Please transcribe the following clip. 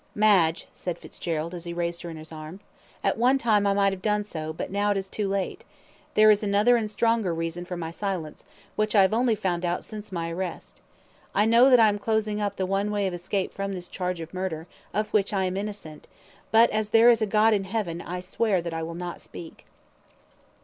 "Madge," said Fitzgerald, as he raised her in his arms, "at one time I might have done so, but now it is too late. There is another and stronger reason for my silence, which I have only found out since my arrest. I know that I am closing up the one way of escape from this charge of murder, of which I am innocent; but as there is a God in heaven, I swear that I will not speak."